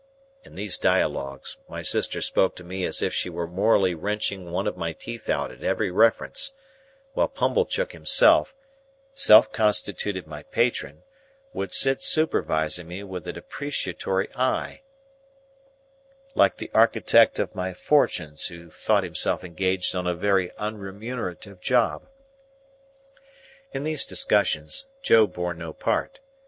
In these dialogues, my sister spoke to me as if she were morally wrenching one of my teeth out at every reference; while Pumblechook himself, self constituted my patron, would sit supervising me with a depreciatory eye, like the architect of my fortunes who thought himself engaged on a very unremunerative job. In these discussions, Joe bore no part.